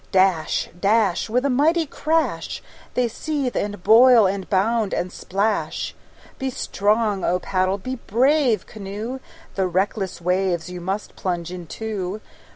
Dash, dash, With a mighty crash, They seethe, and boil, and bound, and splash. Be strong, O paddle! be brave, canoe! The reckless waves you must plunge into.